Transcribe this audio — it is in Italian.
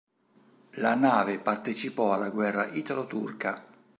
La nave partecipò alla guerra italo-turca.